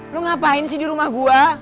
lu ngapain sih di rumah gue